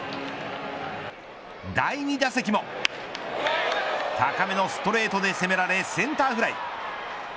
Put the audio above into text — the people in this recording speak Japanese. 第２打席も高めのストレートで攻められセンターフライ。